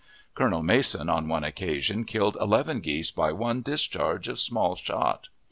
Colonel Mason on one occasion killed eleven geese by one discharge of small shot.